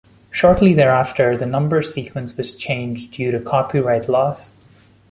Shortly thereafter, the number sequence was changed due to copyright laws.